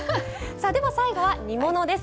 最後は煮物です。